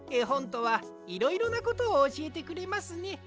ほんとはいろいろなことをおしえてくれますね。